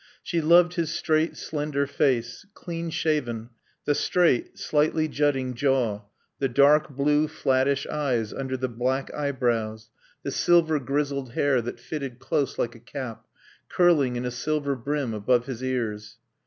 She loved his straight, slender face, clean shaven, the straight, slightly jutting jaw, the dark blue flattish eyes under the black eyebrows, the silver grizzled hair that fitted close like a cap, curling in a silver brim above his ears.